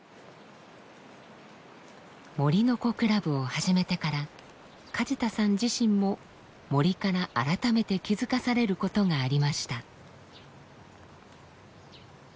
森の子クラブを始めてから梶田さん自身も森から改めて気付かされることがありました。